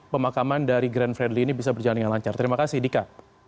pemakaman dari grand fredly ini bisa berjalan dengan lancar terima kasih dika